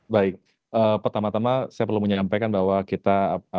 baik pertama tama saya perlu menyampaikan bahwa kita